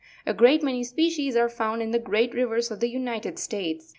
A great many species are found in the great rivers of the United States.